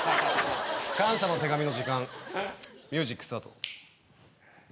感謝の手紙の時間ミュージックスタート。